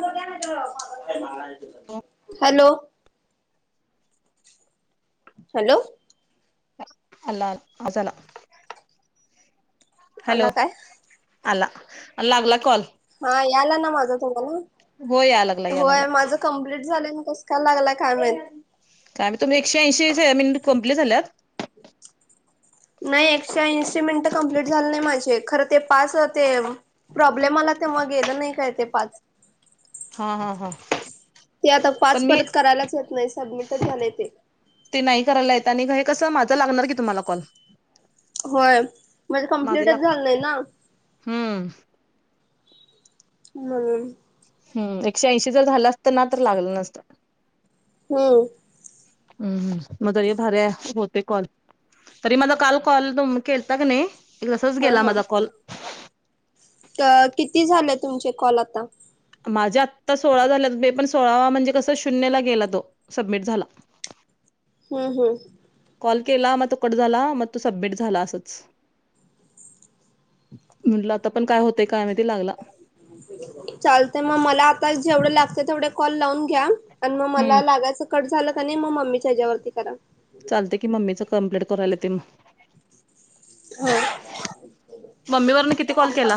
म काय मा [unintelligible] हो हॅलो! हॅलो! आला आला आवाज आला हॅलो आला काय आला लागला कॉल हा याला ना माझ हो या लागला तुम्हाला या लागला होय माझ कंप्लीट झालयं कस का लागला कायमाइत? काय म तुम्ही एकशे ऐंशी मिनिटे कंम्प्लीट झाल्यात! नाही एकशे ऐंशी मिनट कंप्लीट झालं नाही माझे खरं ते पास ते प्रॉब्लेम आला तेव्हा गेलं नाही का ते पाच हा हा हा ते आता पाच पण मी परत करायलाच येत नाही सबमिटच झाले ते ते नाही करायला येत आणि हे कसं माझं लागणार की तुम्हाला कॉल होय म्हणजे माझं कम्पलिटच लागत झालं नाही ना, हम्म हम् हम एकशे ऐंशी जर झालं असत ना, तर लागलं नसत. हम्म! हम् हम मदरयाधार्या होते कॉल [unintelligible] तरी माझा काल कॉल तु केलता का नाही एक तसच गेला माझा कॉल, अ किती झालं तुमचे कॉल आता? माझ्या आत्ता सोळा झाल्या बे पण सोळावा म्हणजे कस शून्यला गेला तो सबमिट झाला. [unintelligible] हम् हम! कॉल केला मग तो कट झाला, मग तो सबमिट झाला असच- म्हटलं आता पण काय होत चालते मग मला आता जेवढे लागत तेवढे कॉल लावून घ्या, आणि मग हम्म. मला लागायचं कट झालं का नाही, मग मम्मीच्या हच्यावरती करा. चालते की मम्मीच कम्प्लीट करायलाेत मग हो मम्मीवरन किती कॉल केला?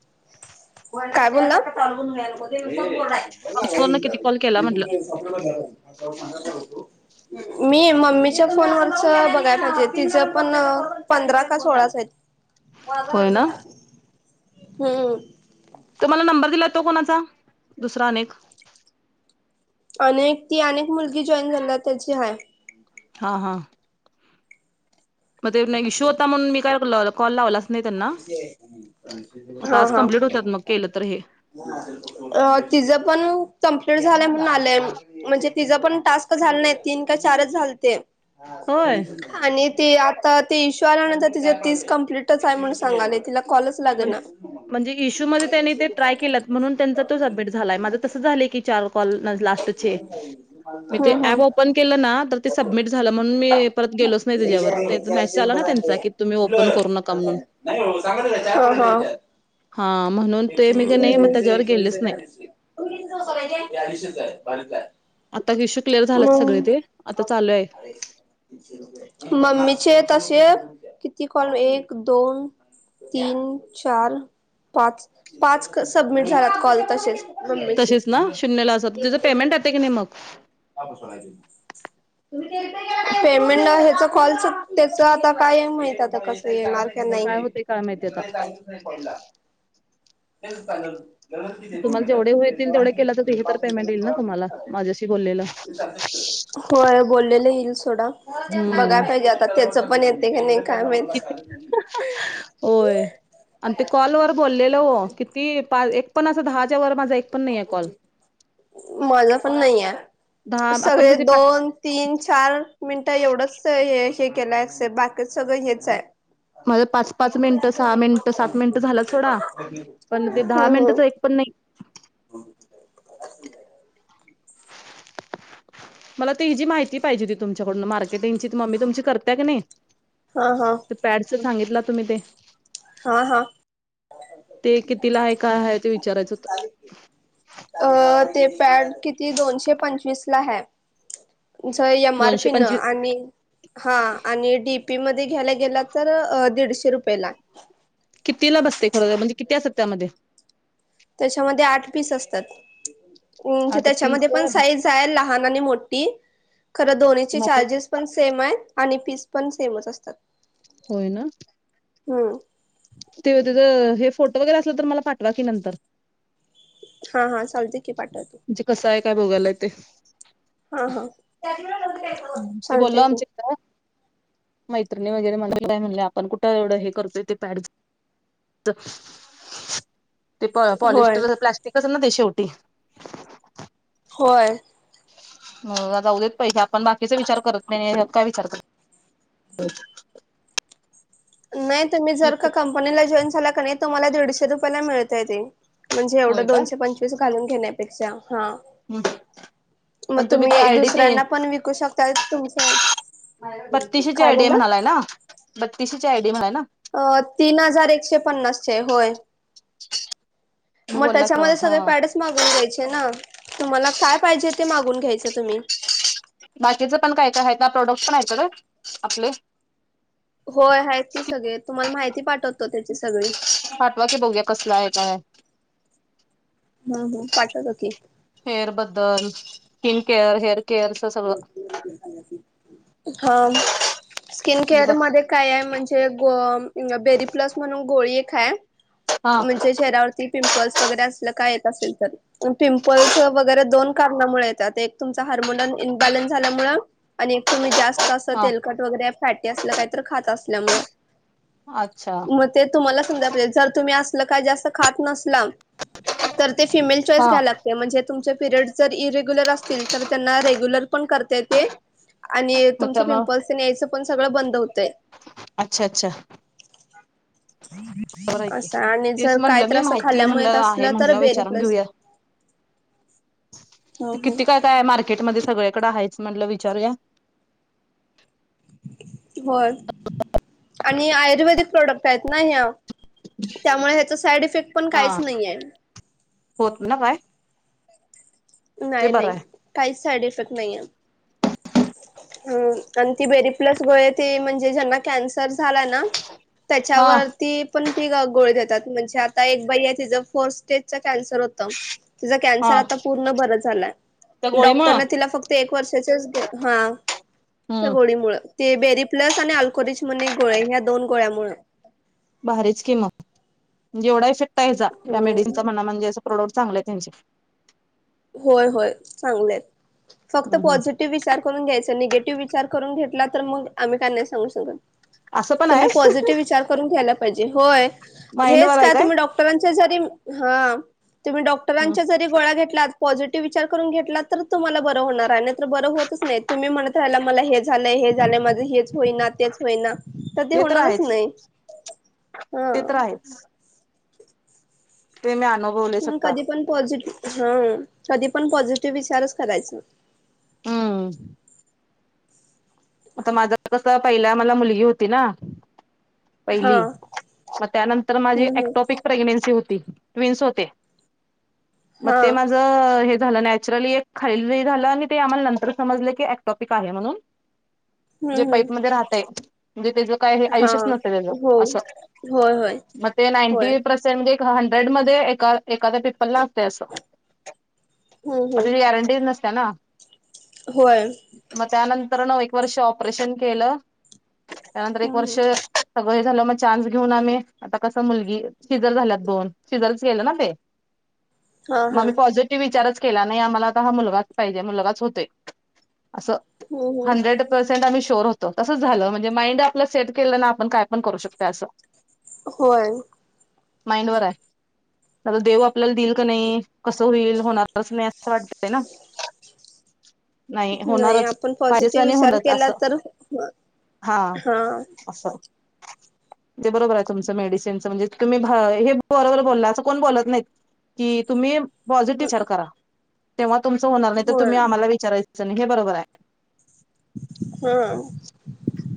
काय बोलल तल बणलोसून गोय [unintelligible] फोनवरनं किती कॉल केला म्हटलं? बला झा सप झा सांगा तो [unintelligible] मी मम्मीच्या फोनवरच ब ति प पंधरा का सो [unintelligible] होय ना हम! तुम्हाला नंबर दिला तो कोणाचा दुसरा अनेक? अनेक ती अनेक मुलगी जॉईन झाला त्याची हाय. हा हा मग ते नाही शो होता म्हणून मी काय कॉल लावला आता हा आज हा- कंप्लीट होतात मग केलं तर हे अ तिझं पण कंप्लीट झालंय म्हणून आलय म्हणजे तिचा पण टास्क झाला नाही, तीन का चारच झालते होय. आणि, ते आता ते इशु आलानंतर तिचे तीस कम्प्लीटच आहे म्हून सांगालेय तिला कॉलच लागेना म्हणजे इशू मध्ये त्यांनी ट्राय केलयं म्हणून त्यांचा तो सबमिट झालाय माझं तस झालय की चार लास्टचे हम्म हम्म ओपन केलं ना सबमट झालं म्हणून मी गेलोचं नाही त्याच्या मेसेज आला ना त्यांचा की तुम्ही ओपन करू नका म्हणून हा हा हां, म्हणून ते मी की नाही मग ह्म्म त्याच्यावर गेलेच नाही. आयडीशेच आहे बाारच आहे आता विशू क्लिअर झालात सगळे ते आता चालू आहे मम्मीचे तसे किती कॉल एक दोन तीन चार पाच पाच सबमिट झालात कॉल तसेच बम्बईचे तसेच ना शून्यला पेमेंट येत का नाही म पेमें ह कॉल तेच काय माहित आता कस येणार का काय नाही होतंय काय माहिती आता. तेल सांगल तुमला जेवढे हो येतील तेवढे केला तर ते हे तर पेमेंट येईल ना तुम्हाला माझ्याशी बोललेलं. होय बोललेले हिल सोडा बघाय हम्म. पाहिजे आता तेच पण येत का नाही काय माहित होय आणि ते कॉलवर बोललेल हो किती एक पण अस दहाच्या वर माझा एक पण नाही आहे कॉल माझा पण नाही आहे दहा आपण सगळे कधी पाच दोन तीन चार मिनटं एवढंच हे हे केलासेट बाकी सगं हेच आहे माझं पाच-पाच मिनिटं, सहा मिनिटं, सात मिनिटं झाल्यात सोडा. पण ते हम दहा हम मिनिटाचं एक पण नाही. हम् [inaudible] मला ते ही जी माहिती पाहिजे होती तुमच्याकडून मार्केटिंगची मग्मी तुमची करतय की नाही हा हा तर पॅडस सांगितला तुम्ही ते हा हा ते कितीला आहे काय आहे ते विचारायचं होत अ ते पॅड किती दोनशे पंचवीस ह एम आर दोनशे पी न पंचवीस आणि हा आणि डीप ी म घ गे तर दीडशे रुपयेला कितीला बसते खर म्हणजे किती असतं त्यामध्ये त्याच्यामध्ये आठ पीस असतात आता पीस त्याच्यामध्ये पण साईज आहे लहान मोठी खर दोन्हीची मग चार्जेस पण सेम आहे आणि फीस पण सेमच असतात होयना हम ते तेज हे फोटो वगैरे असल तर मला पाठवा कि नंतर हा हा चालते की पाठवते म्हणजे कसं आहे काय बोघायला येतय हा हा ते बोललो चालतय की आमच का मैत्रिणी वगैरे मना काय म्हणले आपण कुठं एवढं हे करतोय ते पॅड तर ते प होय पॉलिस्टर प्लास्टिकच ना ते शेवटी होय हो आदा उद्याच पैसे आपण बाकीचा विचार करत नाही काय विचार करत अ नाही तुम्ही जर का कंपनीला जॉईन झाला का नाही तुम्हाला दीडशे रुपयाला मिळतय ते म्हणजे एवढं होय का दोनशे पंचवीस घालून घेण्यापेक्षा हा. मग पण ते तुम्ही आयडी ते दुसऱ्यांना पण विकू शकता तुमच्या बत्तीस शी ची काय आय डी बोला म्हणालाय ना बत्तीस ची आय डी म्हणाय ना अ तीन हजार एकशे पन्नासची होय. तुम्ही मग बोलला की त्याच्यामध्ये हा सगळे पॅडस मागून घ्यायचे ना तुम्हाला काय पाहिजे मागून घ्यायच तुम्ही. बाकीचं पण काय काय आहेत ना प्रोडक्ट पण आहेतच र आपले होय आहेत की सगळे तुम्हाला माहिती पाठवतो त्याची सगळी. पाठवा बघूया कसला आहे काय? हूं ह पाठवतो की. हेअर बद्दल, स्किन केअर, हेअर केअरच सगळं हा. स्किन म्हणजे केअर बघ मध्ये काय आहे म्हणजे ग बेरी प्लस म्हणून गोळी एक हाय. हा म्हणजे चेहऱ्यावरती पिंप पल्स वगैरे असल काय येत असेल, तर पिंपल्स वगैरे दोन कारणामुळे येत एक तुमचा हार्मोन इन्बॅलन्स झाल्यामुळे आणि तुम्ही जास्त असं हा तेलकट वगैरे फॅटी अस काय तर खात असल्यामुळ अच्छा म ते तुम्हाला समजा जर तुम्ही असलं काय खात नसला तर ते फिमेल चॉईस हा घ्यायला लागतय म्हणजे तुमच्या पीरियड्स जर इरेग्युलर असतील तर त्यांना रेग्युलर पण करते ते आणि मग तुमच त्या मग पिंपल्स तेन यायचं पण सगळं बंद होतय. [unintelligible] बरय तेच जर काय म्हणलं तर मी असं माहिती खाल्ल्यामुळेत म्हणलं आहे असलं तर म्हटलं बेरी विचारून प्लस घेऊया. हो [inaudible] हो. किती काय काय मार्केटमध्ये सगळ्याकडं आहेयच म्हटलं विचारूया. होय आणि आयुर्वेदिक प्रोडक्ट आहेत ना ह्या. त्यामुळे ह्याचा साईड इफेक्ट पण हा काहीच नाही आहे. होत ना काय ते नाही बरं नाही आहे काहीच साईड इफेक्ट नाही आहे. ह आणि ती बेरीप्लस गो त म्हणजे ज्यांना कॅन्सर झालाय ना हा त्याच्यावरती पण ती गाळी म्हणे आता एक ति फस्ट स्टेजवर कन्सर होत कॅन्सर हा आता पूर्ण त्या गोळीमुळं डॉक्टर तिला फक्त एक वर्षा हा त्या हम्म गोळीमुळ ते बेरी प्लस आणि अल्करीच म्हणून गोळी ह्या दोन गोळ्यामुळे भारीच किम म्हणजे एवढा इफेक्ट आहे जा या हो मेडिसिनचा म्ह म्हणजे अस प्रॉडक्ट चांगले आहे त्यांचे. होय होय चांगलेत. फक्त हम्म हम्म पॉझिटिव्ह विचार करून घ्यायच, निगेटिव्ह विचार करून घेतला तर मग आम्ही काय नाही सांगू असं शकत. पण आहे तुम्ही पॉझिटिव्ह विचार करून घ्यायला पाहिजे. होय. माइंड हेच वर आहे काय तुम्ही डॉक्टरांच्या जरी, हा तुम्ही डॉक्टरांच्या जरी गोळा घेतला पॉझिटिव्ह विचार करून घेतला, तर तुम्हाला बरं होणार आणि तर बरं होतच नाही तुम्ही म्हणत राहिला मला हे झालंय हे झाले माझं हे होईना तेच होयना तर ते होणारच नाही. हा. ते तर आहेच ते मी अनुभवले स्वतः कधी पण पॉझिटिव्ह, हा कधी पण पॉझिटिव्ह विचारच करायचा. हम्म. आता माझं कस पहिला मला मुलगी होती ना. हा पहिली मग त्यानंतर माझी हम्म ॲप हम्म टॉपिक प्रेग्नेन्सी होती. ट्विन्स होते मग हा ते माझ नॅचरली खाली झाल ते आम्हाला नंतर समजल अपटॉपिक आहे म्हण हम्म जे पाईप म हम्म राहतय म्हणजे त्याचं काय हा आयुष्यच नवतं त्याच हो असं होय होय मग ते होय नाईंटी पर्सेंट हंड्रेड मध्ये एका एखाद्या पिपल ला असते असं. हम्म मग तुझी हम्म गॅरंटीच नसते ना.. होय. मग त्यानंतर न एक वर्ष ऑपरेशन केलं त्यानंतर एक हम्म हम्म वर्ष सगळं हे झालं मग घेऊन आम्ही आता कसं मुलगी शिजर झाल्यात दोन शिजरच गेलं ना ते. हा हा मग म पॉझिटिव्ह विचारच. केला नाही आम्हाला आ हा मुलगाच पाहिजे मुलगाच होतोय असं. हम्म हम्म हंड्रेडं पर्सेंट आणि. शोर होतो म्हणजे माइंड आपला सेट केला ना आपण काय पण करू शक अस. होय माइंडवर आहे आता देऊ आपल्याला देईल का नाही कसं होईल होणारच नाही असं वाटत आहे ना. नाही होणारच. आपण पॉझिटिव्ह पाारस्नी विचार होनच केला असं तर हा असं [inaudible] ते बरोबर आहे तुमचं मेडिसिनच म्हणजे तुम्ही हे बरोबर बोलला असं कोण बोलत नाहीत.. जी तुम्ही. पॉझिटिव्ह विचार करा तेव्हा तुमचं होणार नाही तर होय तुम्ही आम्हाला विचारायचं आणि हे बरोबर आहे. हा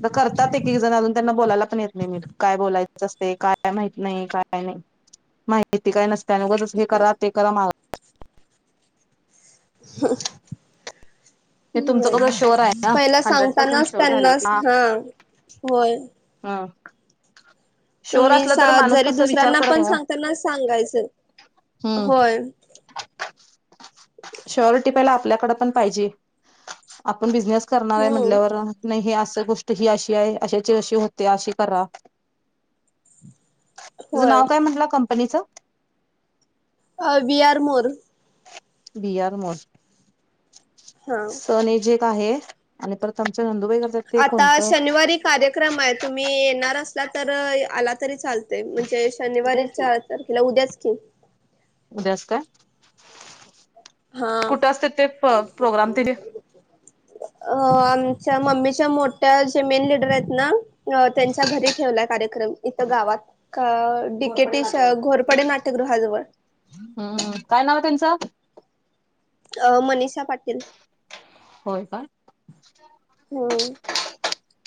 द करतात एक एक जण अजून त्यांना. बोलायला पण येत नाही काय बोलायचं असते काय माहत नाही काय नाही माहिती काय नस. त्या हे करा ते करा माग. हे हम्म. तुमचं कसं शुअर आहे हम् ना पहिला हंड्रेड पर्सेंट सांगतानाच शुअर झाले की त्यांनाच हा. होय. हा शुअर तुम्ही असलं तर माणूस जरी कसं विचार दुसऱ्यांना करत पण नाही ओ. सांगताना सांगायचं. होय. शरिटी प आपल्याकडे पण पाहिजे आपण बिझनेस.. करणार आहे हम्म म्हटल्यावर नाही हे अस गोष्ट ही अशी आहे अशाची अशी होते अशी करा. तुझं होय नाव काय म्हटलं कंपनीचं? अ we are more. We are more हा सनेजेक आहे आणि परतमच्या... आता शनिवारी कार्यक्रम आहे तुम्ही येणार? तर आला तरी चालत म्हणजे शनिवारी चार तारखेला उद्याच की. उद्या अस का? हा कुठं असत ते प्रोग्राम तिथे? अ आमच्या मम्मीच्या मोठ्या जे मेन लीडर आहेत ना त्यांच्या घरी ठेवला. कार्यक्रम इथं गावात डकेटी घोरपडे नाट्यगृहाजवळ हम्म काय नाव आहे त्यांचं? अ मनीषा पाटील.. होय काय. हो.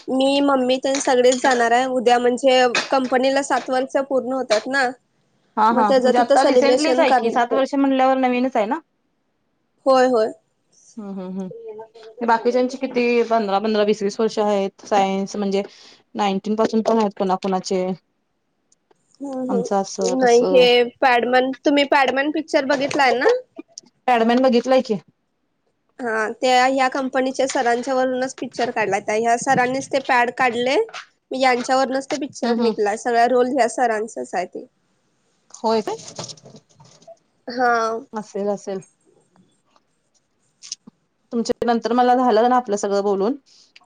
मी मम्मी तर सगळेच जाणार आहे उद्या म्हणजे कंपनीला सात वर्ष पूर्ण होतात ना. हा मग हा त्याच म्हणजे तिथं आता रिसेंटलीच सेलिब्रेशन आहे की सात कर वर्ष म्हणल्यावर नवीनच आहे ना? होय होय.. हम्म हम्म हम्म बाकीच्याची किती पंधरा पंधरा वीस. तीस वर्षे सायन्स म्हणजे नायटीन परसेंटेज पण आहे कोणाकोणाचे. हम्म हम्म नाही हे पॅडमन तुम्ही पॅडमन पिक्चर बघितलाय ना? पॅडमॅन बघितलं आहे की. हा त्या ह्या कंपनीच्या सरांच्या वरूनच पिक्चर काढला त्या ह्या सरांनीच ते पॅड. काढले मी यांच्यावरूनच ते पिक्चर हम्म हम्म निघला सगळ्या रोल ह सरांचच आहे ते. होय काय हा असेल असेल. तुमच्या नंतर मला झालं ना आपलं सगळं बोलून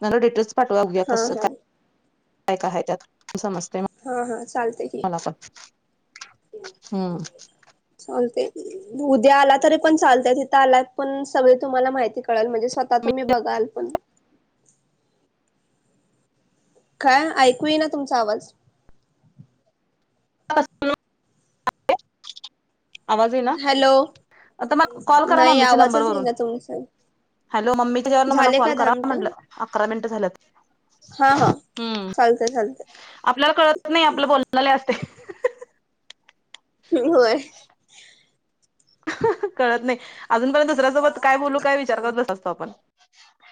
मला डिटेल्स पाठवागूया हा कसं हा काय काय का आहेय त्यात समजत हा हा चालते की. हम्म चालय की उद्या आला तरी पण चालतंय तिथं आलायत पण सगळे तुम्हाला माहिती कळल म्हणजे स्वतः तुम्ही बघाल पण काय ऐकू येईना तुमचा आवाज [unintelligible] [inaudible] आवाज येईना हॅलो आता मग कॉल करा मग नाही मम्मीच्या आवाजच येई नंबरवरून ना तुमचा हॅलो मम्मी त्याच्यावरन मला झाले कॉल का दहा करा मिनटं म्हटलं अकरा मिनिटं झालंत हा हा चालतंय चालतंय आपल्याला कळत नाही आपलं बोललेलं असतंय होय अ ह ह... कळत नाही अजूनपर्यंत दुसऱ्यासोबत काय बोलू काय विचार करत असतो आपण